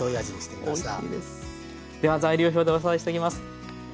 では材料表でおさらいしていきます。